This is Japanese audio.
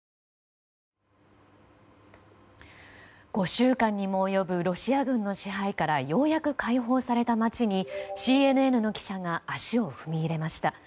５週間にも及ぶロシア軍の支配からようやく解放された街にＣＮＮの記者が足を踏み入れました。